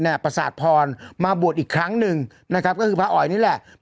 ประสาทพรมาบวชอีกครั้งหนึ่งนะครับก็คือพระอ๋อยนี่แหละ